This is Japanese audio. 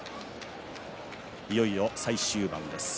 いよいよ最終盤です。